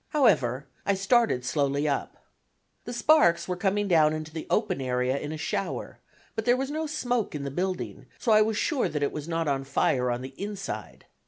However, I started slowly up. The sparks were coming down into the open area in a shower, but there was no smoke in the building, so I was sure that it was not on fire on the inside.